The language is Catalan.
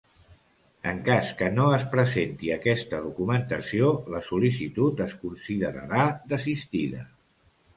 En cas que no es presenti aquesta documentació, la sol·licitud es considerarà desistida.